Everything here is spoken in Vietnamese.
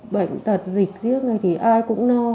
bệnh tật dịch riêng này thì ai cũng no